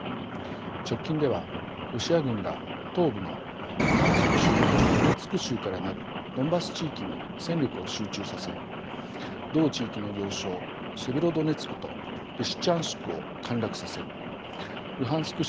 直近ではロシア軍が東部のルハンシク州とドネツク州から成るドンバス地域に戦力を集中させ同地域の要衝セベロドネツクとリシチャンシクを陥落させルハンシク